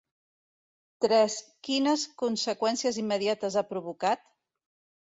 Tres-Quines conseqüències immediates ha provocat?